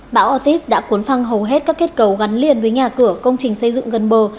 bão ortiz đã cuốn phăng hầu hết các kết cầu gắn liền với nhà cửa công trình xây dựng gần bờ